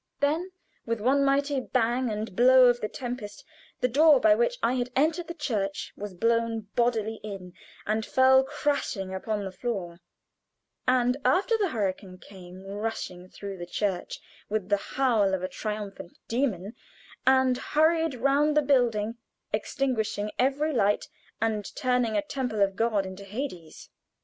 Then, with one mighty bang and blow of the tempest, the door by which I had entered the church was blown bodily in, and fell crashing upon the floor; and after the hurricane came rushing through the church with the howl of a triumphant demon, and hurried round the building, extinguishing every light, and turning a temple of God into Hades.